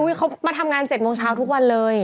ใช่เค้ามาทำงานเจ็ดโมงเช้าทุกวันเลย